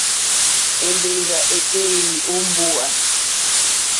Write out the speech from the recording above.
Èmbèrzà èkpéélì ó mbówà.